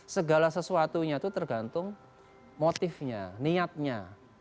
segala sesuatunya itu tergantung motifnya niatnya